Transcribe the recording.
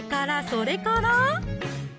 それから？